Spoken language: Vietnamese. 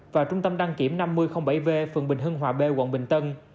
và trung tâm đăng kiểm năm mươi bảy v phường bình hưng hòa b quận bình tân